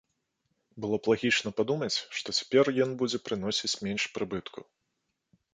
Было б лагічна падумаць, што цяпер ён будзе прыносіць менш прыбытку.